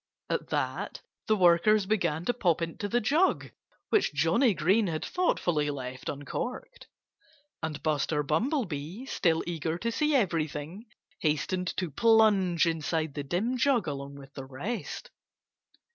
At that the workers began to pop into the jug, which Johnnie Green had thoughtfully left uncorked. And Buster Bumblebee, still eager to see everything, hastened to plunge inside the dim jug along with the rest.